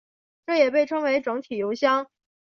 这也被称为整体油箱。